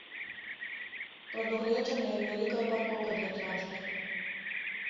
Прадугледжана і невялікая паркоўка для транспарту.